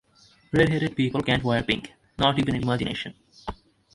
Redheaded people can’t wear pink, not even in imagination.